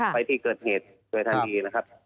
ไปที่เกิดเหตุช่วยทางดีนะครับ